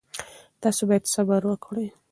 تاسو باید صبر وکړئ.